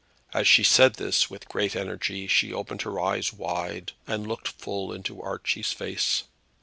As she said this with great energy, she opened her eyes wide, and looked full into Archie's face.